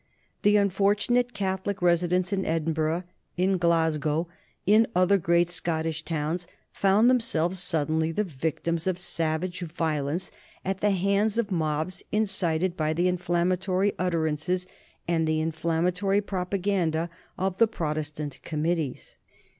The unfortunate Catholic residents in Edinburgh, in Glasgow, and in other great Scottish towns found themselves suddenly the victims of savage violence at the hands of mobs incited by the inflammatory utterances and the inflammatory propaganda of the Protestant committees.